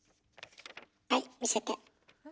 はい見せて。